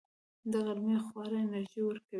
د غرمې خواړه انرژي ورکوي